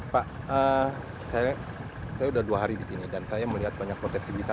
pak saya sudah dua hari di sini dan saya melihat banyak potensi bisa